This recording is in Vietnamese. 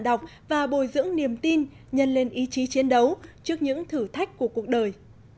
đọc và bồi dưỡng niềm tin nhân lên ý chí chiến đấu trước những thử thách của cuộc đời